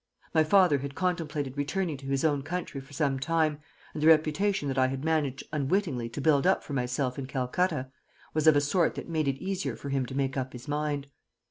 My father had contemplated returning to his own country for some time, and the reputation that I had managed unwittingly to build up for myself in Calcutta was of a sort that made it easier for him to make up his mind.